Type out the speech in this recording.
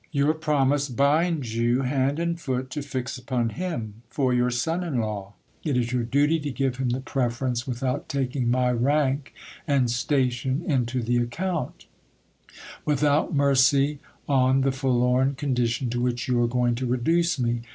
Your promise binds you hand and foot to fix upon him for your son in law ; it is your duty to give him the preference, without HISTOR Y OF DON RAPHAEL. 1 77 taking my rank and station into the account ; without mercy on the forlorn con dition to which you are going to reduce me.